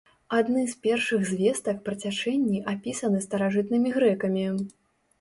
Адны з першых звестак пра цячэнні апісаны старажытнымі грэкамі.